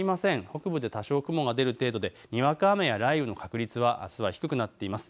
北部で多少、雲が出る程度でにわか雨や雷雨の確率はあすは低くなっています。